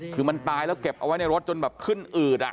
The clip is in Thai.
คือมันตายแล้วเก็บเอาไว้ในรถจนแบบขึ้นอืด